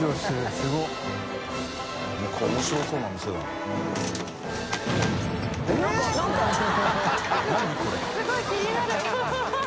すごい気になる